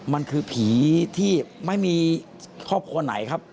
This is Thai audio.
มันคือผีที่ไม่มีครอบครัวไหนครับ